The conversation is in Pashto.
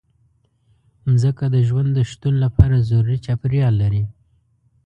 مځکه د ژوند د شتون لپاره ضروري چاپېریال لري.